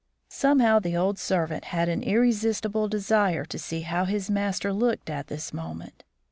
Somehow the old servant had an irresistible desire to see how his master looked at this moment.